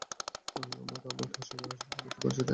আমরা তার মাকে সরকারি হাসপাতালে ভর্তি করেছি, তাই না?